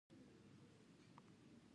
اوښ د افغانستان د سیلګرۍ برخه ده.